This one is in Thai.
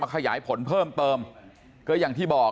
ขยายผลเพิ่มเติมก็อย่างที่บอก